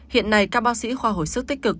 hiện nay các bác sĩ khoa hồi sức tích cực